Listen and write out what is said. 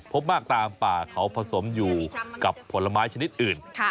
พบมากตามป่าเขาผสมอยู่กับผลไม้ชนิดอื่น